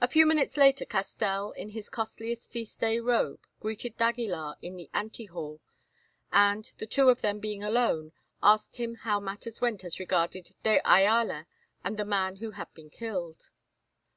A few minutes later Castell, in his costliest feast day robe, greeted d'Aguilar in the ante hall, and, the two of them being alone, asked him how matters went as regarded de Ayala and the man who had been killed.